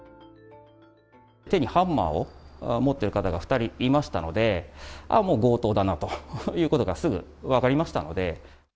手にハンマーを持ってる方が２人いましたので、あっ、もう強盗だなということがすぐ分かりましたので。